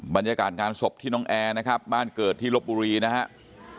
บรรยากาศงานศพที่น้องแอร์นะครับบ้านเกิดที่ลบบุรีนะครับ